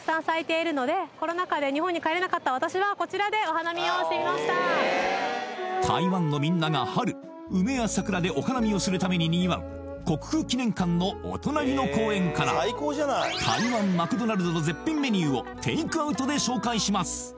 マクドナルドを表す漢字でマイ・ダン・ラオウは特に意味はなく台湾のみんなが春梅や桜でお花見をするためににぎわう国父記念館のお隣の公園から台湾マクドナルドの絶品メニューをテイクアウトで紹介します